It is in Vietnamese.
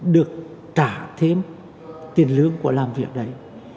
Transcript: được trả thêm tiền lương của làm việc đấy